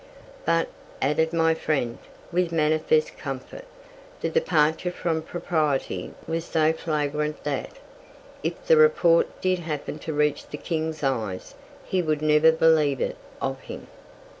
But, added my friend, with manifest comfort, the departure from propriety was so flagrant that, if the report did happen to reach the king's eyes, he would never believe it of him.